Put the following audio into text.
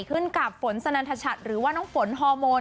ขึ้นกับฝนสนันทชัดหรือว่าน้องฝนฮอร์โมน